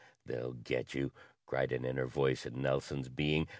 "They'll get you," cried an inner voice in Nelson's being.